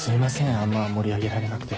あんま盛り上げられなくて。